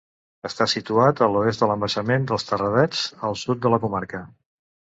Està situat a l'oest de l'embassament dels Terradets, al sud de la comarca.